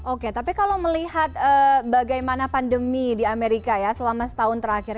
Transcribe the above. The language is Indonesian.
oke tapi kalau melihat bagaimana pandemi di amerika ya selama setahun terakhir